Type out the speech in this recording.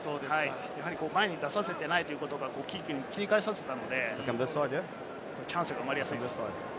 やはり前に出させていないということがキックに切り替えさせたので、チャンスが生まれやすいです。